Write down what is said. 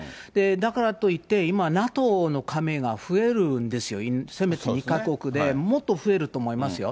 だからといって、今、ＮＡＴＯの加盟が増えるんですよ、せめて２か国で、もっと増えると思いますよ。